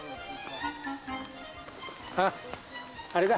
あっあれだ